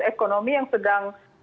ekonomi yang sedang